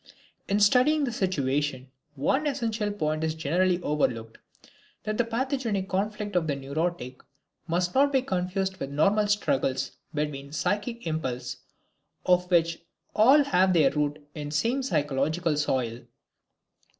In studying the situation, one essential point is generally overlooked, that the pathogenic conflict of the neurotic must not be confused with normal struggles between psychic impulses of which all have their root in the same psychological soil.